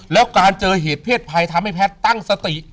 แล้วการเจอเหตุเพศภัยทำให้แพทย์ตั้งสติ